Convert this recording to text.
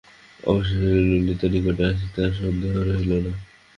অবশেষে ললিতা নিকটে আসিতে আর সন্দেহ রহিল না।